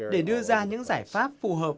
để đưa ra những giải pháp phù hợp